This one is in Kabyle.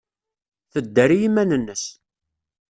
Tedder i yiman-nnes.